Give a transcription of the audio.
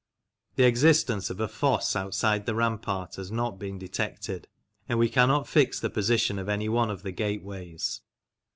The existence of a fosse outside the rampart has not been detected, and we cannot fix the position of any one of the gateways.